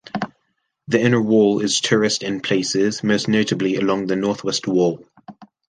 The inner wall is terraced in places, most notably along the northwest wall.